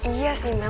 iya sih mel